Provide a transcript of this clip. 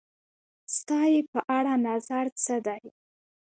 ستا یی په اړه نظر څه دی؟